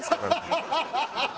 ハハハハ！